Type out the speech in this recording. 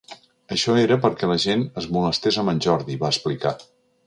Això era perquè la gent es molestés amb en Jordi, va explicar.